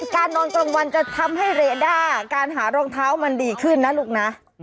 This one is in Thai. การนอนกลางวันจะทำให้เรด้าการหารองเท้ามันดีขึ้นนะลูกนะ